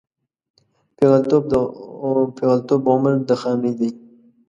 پېغلتوب عمر د خانۍ دی